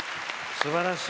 すばらしい。